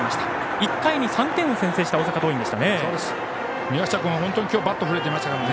１回に３点を先制した大阪桐蔭でしたね。